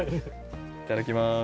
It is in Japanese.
いただきます。